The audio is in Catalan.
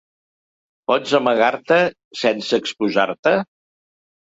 Pots amagar-te sense exposar-te?